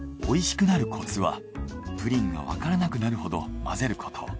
美味しくなるコツはプリンがわからなくなるほど混ぜること。